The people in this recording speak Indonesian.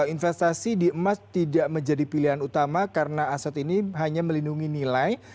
investasi di emas tidak menjadi pilihan utama karena aset ini hanya melindungi nilai